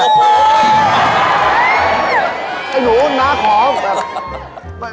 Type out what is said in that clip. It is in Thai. ไอ้หนูหน้าของ